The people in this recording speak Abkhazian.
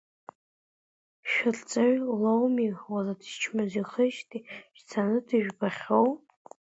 Шәырҵаҩ лоуми, уара, дычмазаҩхеижьҭеи шәцаны дыжәбахьоу?